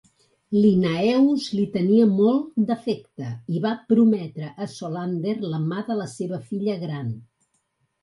Linnaeus li tenia molt d'afecte, i va prometre a Solander la mà de la seva filla gran.